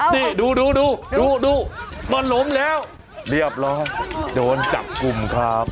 นี่ดูดูดูมันหลมแล้วเดี๋ยวไปแล้วโดนจับกุมครับ